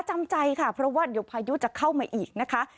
จำใจค่ะเพราะว่าเดี๋ยวพายุจะเข้ามาอีกนะคะ